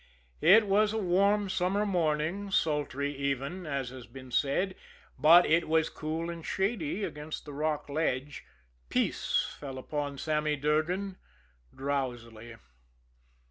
It was a warm summer morning, sultry even, as has been said, but it was cool and shady against the rock ledge. Peace fell upon Sammy Durgan drowsily.